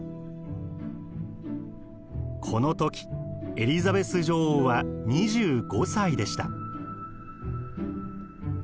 この時エリザベス女王は２５歳でした。